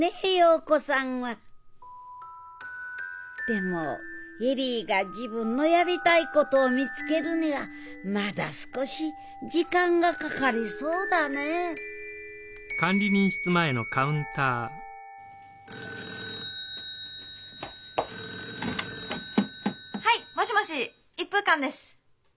でも恵里が自分のやりたいことを見つけるにはまだ少し時間がかかりそうだねぇ☎はいもしもし一風館です。